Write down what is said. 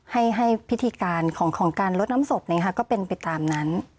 แล้วก็ให้พิธีการของการลดน้ำศพนี่ค่ะก็เป็นไปตามนั้น